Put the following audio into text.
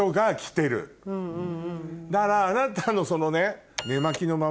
だからあなたのそのね。